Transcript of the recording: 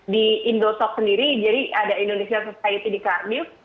di indosok sendiri jadi ada indonesia society di carnis